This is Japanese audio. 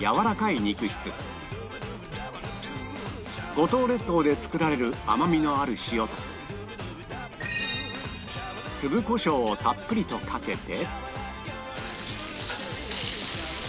五島列島で作られる甘みのある塩と粒コショウをたっぷりとかけて